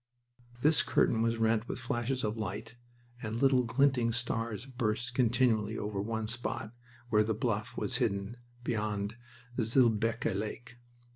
This curtain was rent with flashes of light and little glinting stars burst continually over one spot, where the Bluff was hidden beyond Zillebeke Lake.